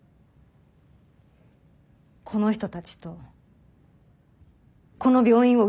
この人たちとこの病院を訴えます！